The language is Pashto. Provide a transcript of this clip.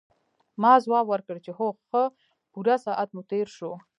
ما ځواب ورکړ چې هو ښه پوره ساعت مو تېر شو.